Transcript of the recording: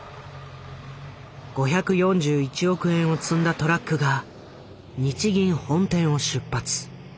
５４１億円を積んだトラックが日銀本店を出発。